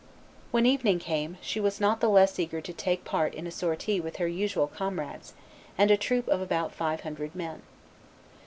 When evening came, she was not the less eager to take part in a sortie with her usual comrades and a troop of about five hundred men.